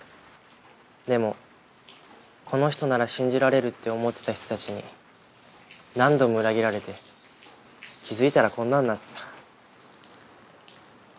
でもこの人なら信じられるって思ってた人たちに何度も裏切られて気づいたらこんなんなってた。